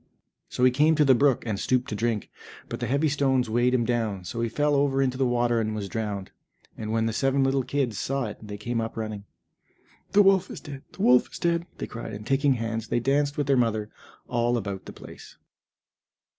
So he came to the brook, and stooped to drink, but the heavy stones weighed him down, so he fell over into the water and was drowned. And when the seven little kids saw it they came up running. "The wolf is dead, the wolf is dead!" they cried, and taking hands, they danced with their mother all about the place.